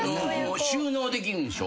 収納できるんでしょ？